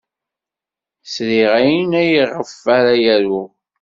Sriɣ ayen ayɣef ara aruɣ.